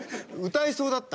歌えそうだった。